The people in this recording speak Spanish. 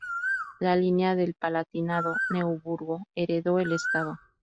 La línea del Palatinado-Neoburgo heredó el Estado.